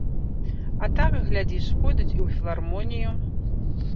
А так, глядзіш, пойдуць і ў філармонію.